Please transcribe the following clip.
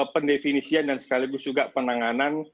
pendefinisian dan sekaligus juga penanganan